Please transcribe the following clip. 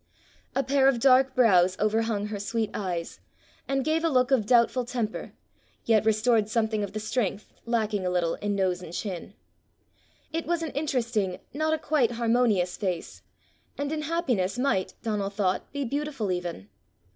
A pair of dark brows overhung her sweet eyes, and gave a look of doubtful temper, yet restored something of the strength lacking a little in nose and chin. It was an interesting not a quite harmonious face, and in happiness might, Donal thought, be beautiful even.